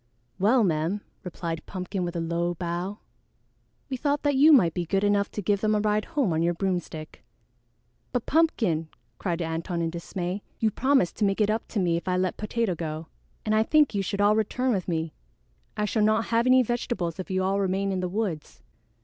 "Well, ma'am," replied Pumpkin with a low bow, "we thought that you might be good enough to give them a ride home on your broomstick." "But Pumpkin!" cried Antone in dismay, "you promised to make it up to me if I let Potato go, and I think you should all return with me. I shall not have any vegetables if you all remain in the woods."